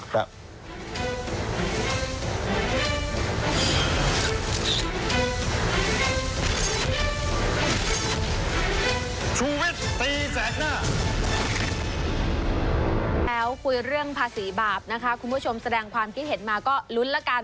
แล้วคุยเรื่องภาษีบาปนะคะคุณผู้ชมแสดงความคิดเห็นมาก็ลุ้นละกัน